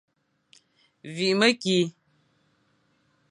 Vîkh mekî.